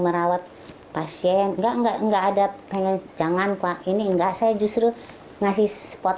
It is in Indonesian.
merawat pasien enggak enggak enggak ada pengen jangan pak ini enggak saya justru ngasih spot